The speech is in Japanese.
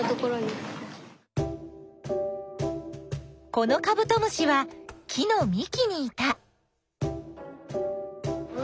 このカブトムシは木のみきにいた。